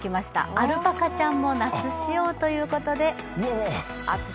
アルパカちゃんも夏仕様ということで。